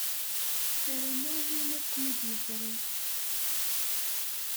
Sarameɣ yiwen ur ken-id-iẓṛi.